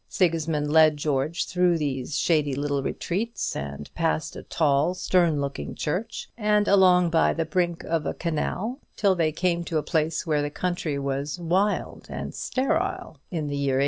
Sigismund led George through these shady little retreats, and past a tall stern looking church, and along by the brink of a canal, till they came to a place where the country was wild and sterile in the year 1852.